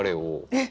えっ！？